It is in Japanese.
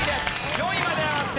４位まで上がって。